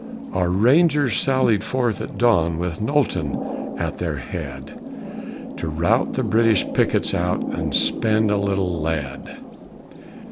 Our Rangers sallied forth at dawn With Knowlton at their head To rout the British pickets out And spend a little lead.